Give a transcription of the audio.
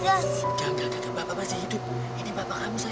bapak yakin suatu saat nanti kita pasti akan ketemu lagi